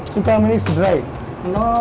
cuka artinya kering